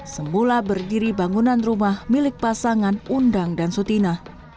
semula berdiri bangunan rumah milik pasangan undang dan sutina